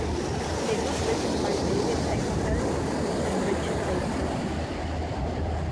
It was written by David Eckelberry and Richard Baker.